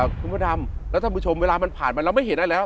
คุณพระดำแล้วท่านผู้ชมเวลามันผ่านมาเราไม่เห็นอะไรแล้ว